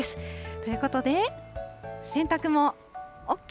ということで、洗濯もＯＫ。